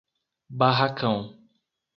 Barracão